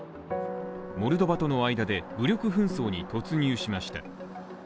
モルドバとの間で、武力紛争に突入しました。